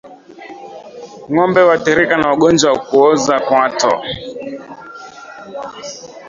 Ngombe huathirika na ugonjwa wa kuoza kwato